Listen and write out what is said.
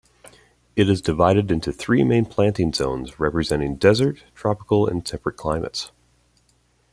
It is divided into three main planting zones representing desert, tropical and temperate climates.